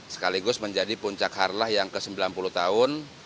sekaligus menjadi puncak harlah yang ke sembilan puluh tahun